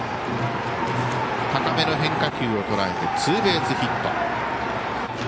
高めの変化球をとらえてツーベースヒット。